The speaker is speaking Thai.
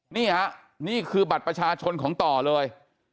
นี่คือบัตรประชาชนของต่อเลย